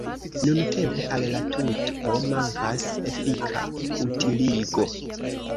Nuntempe al la tuto mankas efika utiligo.